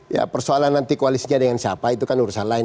ya persoalan nanti koalisnya dengan siapa itu kan urusan lain